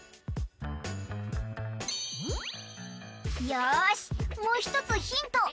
よしもうひとつヒント！